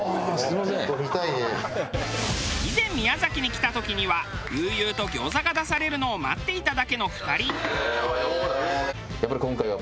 以前宮崎に来た時には悠々と餃子が出されるのを待っていただけの２人。